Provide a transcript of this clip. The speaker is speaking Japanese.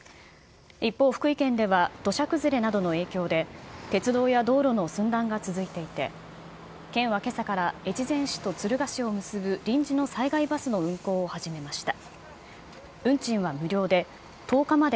一方、福井県では土砂崩れなどの影響で、鉄道や道路の寸断が続いていて、県はけさから、越前市と敦賀市を結ぶ臨時の災害バスの運行を始めました。